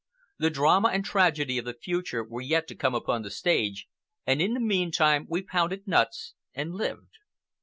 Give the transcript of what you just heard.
The drama and tragedy of the future were yet to come upon the stage, and in the meantime we pounded nuts and lived.